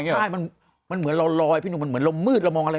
ใช่มันเหมือนเราลอยพี่หนุ่มมันเหมือนเรามืดเรามองอะไร